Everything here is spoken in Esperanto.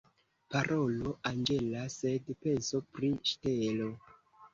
Parolo anĝela, sed penso pri ŝtelo.